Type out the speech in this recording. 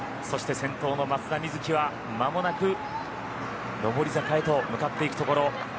そして先頭の松田瑞生は間もなく上り坂へと向かっていくところ。